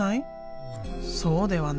そうではない。